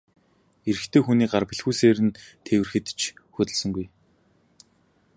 Эрэгтэй хүний гар бэлхүүсээр нь тэврэхэд ч хөдөлсөнгүй.